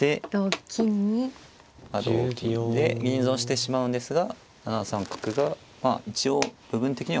同金で銀損してしまうんですが７三角がまあ一応部分的には返し技。